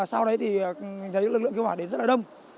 sau đấy thì thấy lực lượng cứu hỏa đến rất là đông